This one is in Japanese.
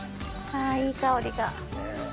あいい香りが。